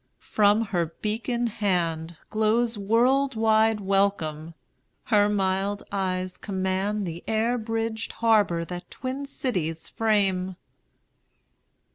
From her beacon handGlows world wide welcome; her mild eyes commandThe air bridged harbour that twin cities frame.